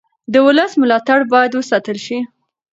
د ولس ملاتړ باید وساتل شي